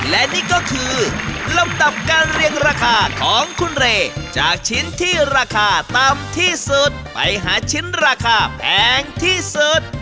และนี่ก็คือลำดับการเรียงราคาของคุณเรจากชิ้นที่ราคาต่ำที่สุดไปหาชิ้นราคาแพงที่สุด